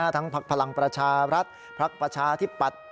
ทั้งพลักษณ์พลังประชารัฐพลักษณ์ประชาธิปัตย์